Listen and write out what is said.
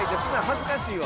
恥ずかしいわ。